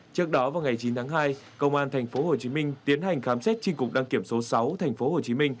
trước đó vào ngày chín tháng hai công an tp hcm tiến hành khám xét tri cục đăng kiểm số sáu tp hcm